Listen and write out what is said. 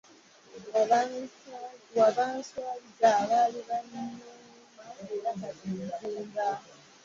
Wabansaaliza abaali bannyooma era kati nzimba.